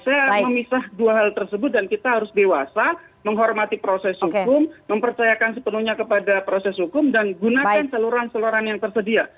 saya memisah dua hal tersebut dan kita harus dewasa menghormati proses hukum mempercayakan sepenuhnya kepada proses hukum dan gunakan saluran saluran yang tersedia